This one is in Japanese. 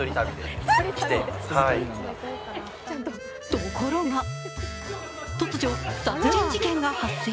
ところが突如、殺人事件が発生。